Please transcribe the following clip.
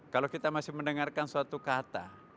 kalau kita masih mendengarkan suatu kata